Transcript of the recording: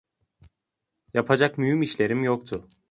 Yapacak mühim işlerim yoktu.